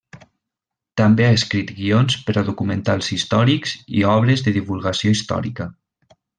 També ha escrit guions per a documentals històrics i obres de divulgació històrica.